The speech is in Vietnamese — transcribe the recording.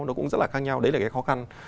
nó cũng rất là khác nhau đấy là cái khó khăn